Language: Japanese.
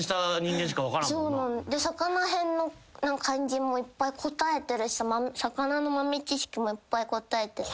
魚へんの漢字もいっぱい答えてるし魚の豆知識もいっぱい答えてて。